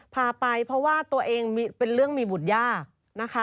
พาไปเพราะว่าตัวเองเป็นเรื่องมีบุตรยากนะคะ